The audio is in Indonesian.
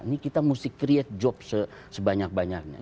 ini kita mesti create job sebanyak banyaknya